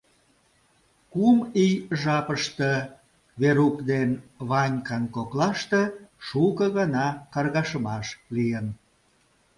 Кум ий жапыште Верук ден Ванькан коклаште шуко гана каргашымаш лийын.